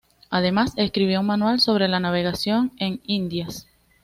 Además, escribió un manual sobre la navegación en Indias.